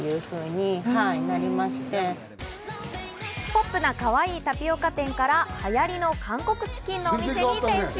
ポップなかわいいタピオカ店から流行の韓国チキンのお店に変身。